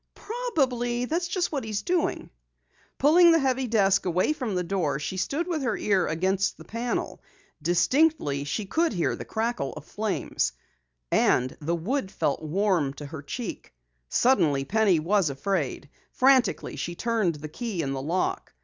"Probably that's just what he's doing." Pulling the heavy desk away from the door, she stood with her ear against the panel. Distinctly she could hear the crackle of flames. The wood felt warm to her cheek. Suddenly Penny was afraid. Frantically she turned the key in the lock.